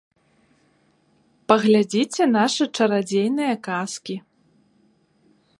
Паглядзіце нашы чарадзейныя казкі.